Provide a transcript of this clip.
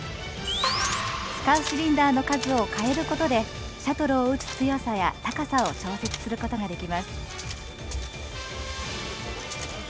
使うシリンダーの数を変えることでシャトルを打つ強さや高さを調節することができます。